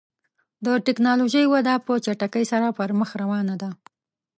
د ټکنالوژۍ وده په چټکۍ سره پر مخ روانه ده.